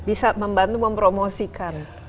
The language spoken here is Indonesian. bisa membantu mempromosikan